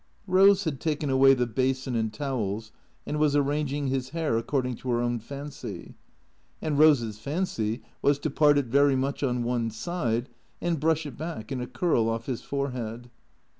Eose had taken away the basin and towels, and was arranging his hair according to her own fancy. And Eose's fancy was to part it very much on one side, and brush it back in a curl off his forehead.